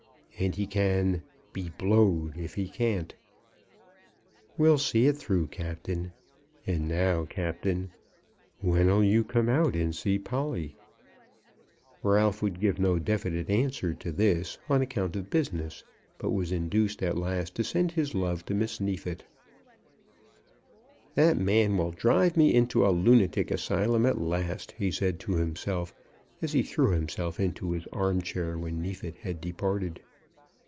And he can; be blowed if he can't. We'll see it through, Captain. And now, Captain, when'll you come out and see Polly?" Ralph would give no definite answer to this, on account of business, but was induced at last to send his love to Miss Neefit. "That man will drive me into a lunatic asylum at last," he said to himself, as he threw himself into his arm chair when Neefit had departed.